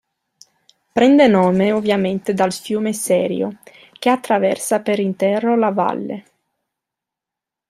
Prende nome ovviamente dal fiume Serio, che attraversa per intero la valle.